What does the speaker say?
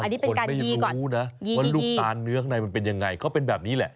คนไม่รู้นะว่าลูกตาลเนื้อข้างในมันเป็นยังไงเขาเป็นแบบนี้แหละ